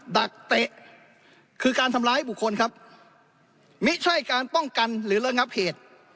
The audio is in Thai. ดักเตะคือการทำร้ายบุคคลครับไม่ใช่การป้องกันหรือระงับเหตุ